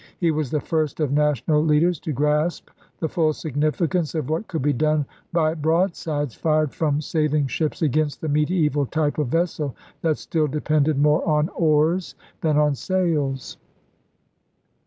He was the first of national leaders to grasp the full significance of what could be done by broadsides fired from sailing ships against the mediaeval type of vessel that still depended more on oars than on sails.